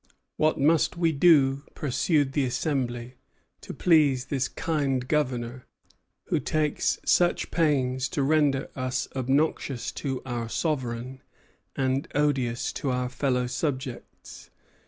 "What must we do," pursued the Assembly, "to please this kind governor, who takes so much pains to render us obnoxious to our sovereign and odious to our fellow subjects?